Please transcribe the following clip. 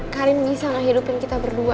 karin bisa ngehidupin kita berdua